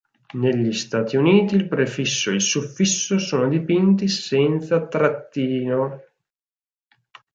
Negli Stati Uniti il prefisso e il suffisso sono dipinti senza trattino.